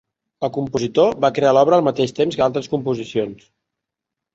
El compositor va crear l'obra al mateix temps que altres composicions.